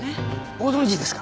ご存じですか？